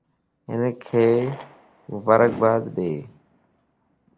ھنک مبارک باد ڏي